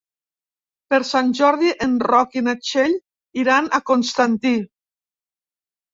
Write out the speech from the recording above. Per Sant Jordi en Roc i na Txell iran a Constantí.